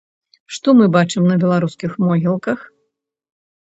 Што мы бачым на беларускіх могілках?